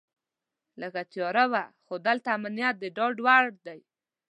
لږه تیاره وه خو دلته امنیت د ډاډ وړ دی.